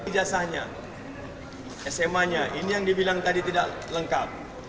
ijazahnya sma nya ini yang dibilang tadi tidak lengkap